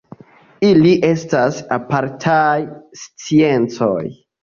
Ili estas apartaj sciencoj.